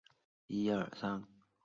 他生于工布博楚寺之中麦地方。